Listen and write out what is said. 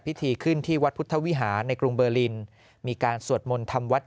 พิธีขึ้นที่วัดพุทธวิหารในกรุงเบอร์ลินมีการสวดมนต์ทำวัด